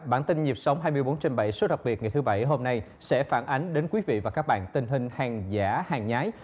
bản tin nhịp sống hai mươi bốn trên bảy số đặc biệt ngày thứ bảy hôm nay sẽ phản ánh đến quý vị và các bạn tình hình hàng giả hàng nhái